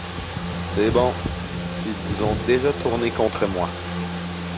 C’est bon, ils vous ont déjà tourné contre moi...